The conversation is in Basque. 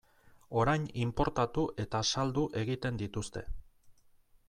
Orain inportatu eta saldu egiten dituzte.